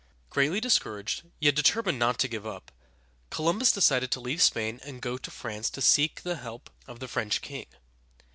Greatly discouraged, yet determined not to give up, Columbus decided to leave Spain and go to France to seek help of the French king.